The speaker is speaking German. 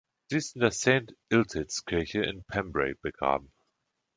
Sie ist in der Saint Illtyds Kirche in Pembrey begraben.